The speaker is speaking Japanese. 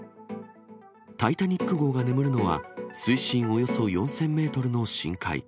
タイタニック号が眠るのは、水深およそ４０００メートルの深海。